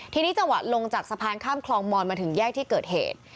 ทีนี้จังหวะลงจากสะพานข้ามคลองมอนมาถึงแยกที่เกิดเหตุ